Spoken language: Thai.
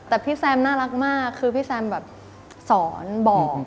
แต่พี่แซมน่ารักมากคือพี่แซมแบบสอนบอก